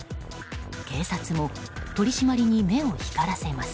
警察も取り締まりに目を光らせます。